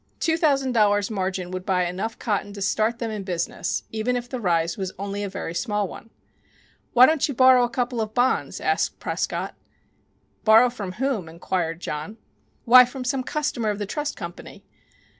Two thousand dollars' margin would buy enough cotton to start them in business, even if the rise was only a very small one. "Why don't you borrow a couple of bonds?" asked Prescott. "Borrow from whom?" inquired John. "Why, from some customer of the trust company."